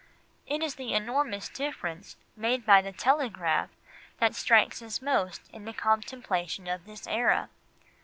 It is the enormous difference made by the telegraph that strikes us most in the contemplation of this era.